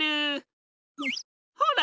ほら。